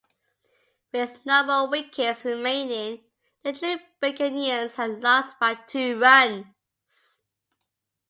With no more wickets remaining, the Trinbagonians had lost by two runs.